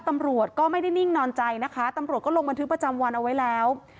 ตำรวจก็ไม่ได้นิ่งนอนใจนะคะตำรวจก็ลงบันทึกประจำวันเอาไว้แล้ว